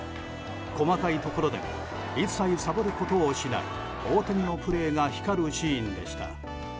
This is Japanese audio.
細かいところでも一切サボることをしない大谷のプレーが光るシーンでした。